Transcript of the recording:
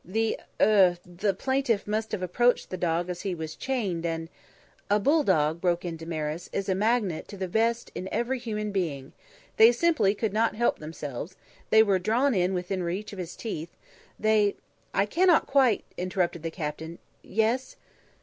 "The er the plaintiff must have approached the dog as he was chained and " "A bulldog," broke in Damaris, "is a magnet to the best in every human being. They simply could not help themselves; they were drawn within reach of his teeth; they " "I cannot quite " interrupted the captain. "Yes?"